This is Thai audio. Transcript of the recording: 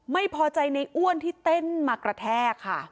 ไม่พอใจในอ้วนที่เต้นมากระแทกค่ะ